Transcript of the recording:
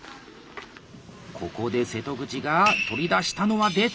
ここで瀬戸口が取り出したのは出た！